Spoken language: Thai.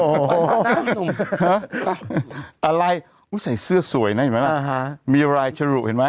โอ้โหอะไรอุ้ยใส่เสื้อสวยน่ะอยู่ไหมล่ะอ่าฮะมีรายชะหรูเห็นไหม